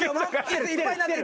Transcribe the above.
・いっぱいになってる。